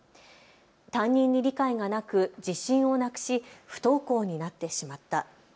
担任に理解がなく自信をなくし不登校になってしまった。